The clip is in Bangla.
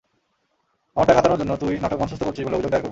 আমার টাকা হাতানোর জন্য তুই নাটক মঞ্চস্থ করছিস বলে অভিযোগ দায়ের করবো।